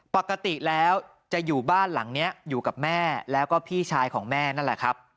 ปกติแล้วจะอยู่บ้านหลังนี้อยู่กับแม่แล้วก็พี่ชายของแม่นั่นแหละครับ